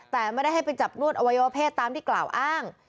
แต่ไม่ได้ให้ไปจับนวดอวัยวะเพศตามที่กล่าวอ้าง